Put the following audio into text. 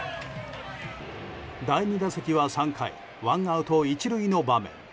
第２打席は３回ワンアウト１塁の場面。